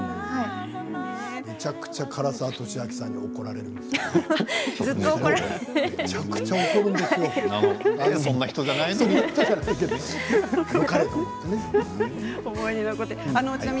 めちゃくちゃ唐沢寿明さんに怒られるんですよ。